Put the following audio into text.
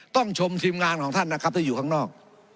ชมทีมงานของท่านนะครับที่อยู่ข้างนอก